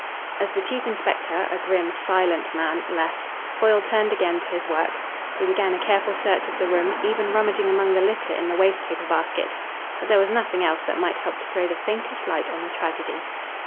As the chief inspector, a grim, silent man, left, Foyle turned again to his work. He began a careful search of the room, even rummaging among the litter in the waste paper basket. But there was nothing else that might help to throw the faintest light on the tragedy.